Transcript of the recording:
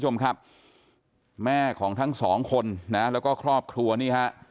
แม่ของทั้งสองคนแล้วก็ครอบครัวนี้